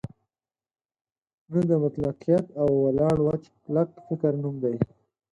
نه د مطلقیت او ولاړ وچ کلک فکر نوم دی.